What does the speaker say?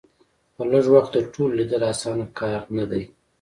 په لږ وخت کې د ټولو لیدل اسانه کار نه دی.